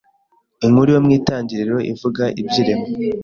Inkuru yo mu Itangiriro ivuga iby’irema